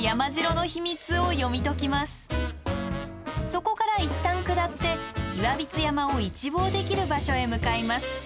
そこからいったん下って岩櫃山を一望できる場所へ向かいます。